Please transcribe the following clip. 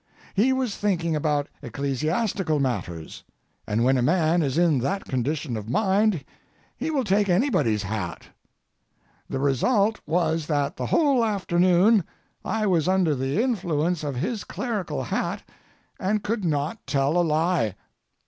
He was thinking about ecclesiastical matters, and when a man is in that condition of mind he will take anybody's hat. The result was that the whole afternoon I was under the influence of his clerical hat and could not tell a lie.